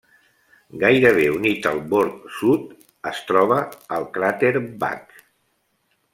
Gairebé unit al bord sud es troba el cràter Back.